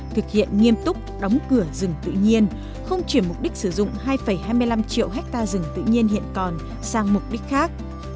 thực hiện nghiêm túc đóng cửa rừng tự nhiên không chuyển mục đích sử dụng hai hai mươi năm triệu hectare rừng tự nhiên hiện còn sang mục đích khác